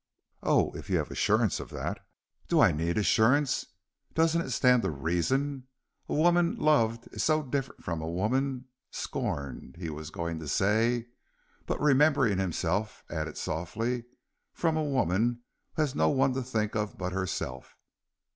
"Oh, if you have assurance of that." "Do I need assurance? Doesn't it stand to reason? A woman loved is so different from a woman " scorned, he was going to say, but, remembering himself, added softly, "from a woman who has no one to think of but herself."